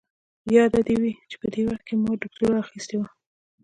ياده دې وي چې په دې وخت کې ما دوکتورا اخيستې وه.